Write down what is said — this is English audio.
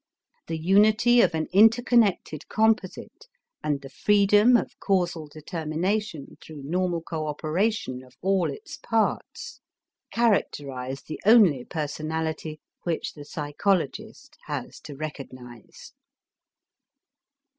The unity of an interconnected composite and the freedom of causal determination through normal coöperation of all its parts characterize the only personality which the psychologist has to recognize.